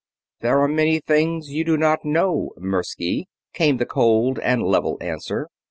"There are many things you do not know, Mirsky," came the cold and level answer.